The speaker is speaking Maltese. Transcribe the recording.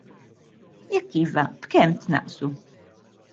Jekk iva, b'kemm tnaqqsu?